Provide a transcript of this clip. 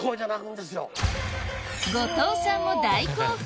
後藤さんも大興奮！